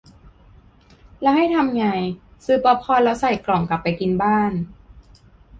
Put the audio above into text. แล้วให้ทำไง ซื้อป๊อปคอร์นแล้วใส่กล่องกลับไปกินบ้าน